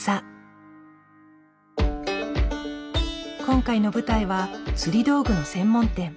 今回の舞台は釣り道具の専門店。